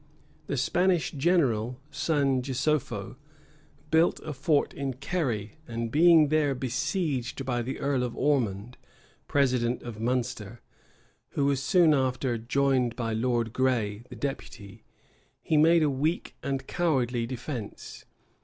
The Spanish general, San Josepho, built a fort in Kerry; and being there besieged by the earl of Ormond, president of Munster, who was soon after joined by Lord Gray, the deputy, he made a weak and cowardly defence.